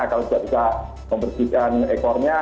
kalau juga juga membersihkan ekornya